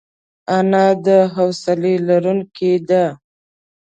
انا د حوصله لرونکې ده